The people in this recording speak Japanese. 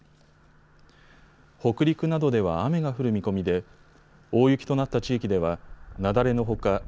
北陸などでは雨が降る見込みで大雪となった地域では雪崩のほか